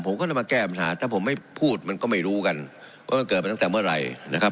ผมก็ต้องมาแก้ปัญหาถ้าผมไม่พูดมันก็ไม่รู้กันว่ามันเกิดมาตั้งแต่เมื่อไหร่นะครับ